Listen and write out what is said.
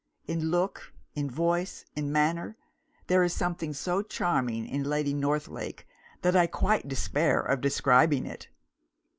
In look, in voice, in manner there is something so charming in Lady Northlake that I quite despair of describing it.